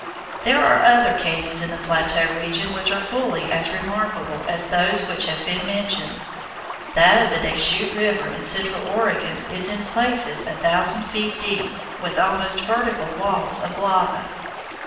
There are other cañons in the plateau region which are fully as remarkable as those which have been mentioned. That of the Des Chutes River in central Oregon is in places a thousand feet deep, with almost vertical walls of lava.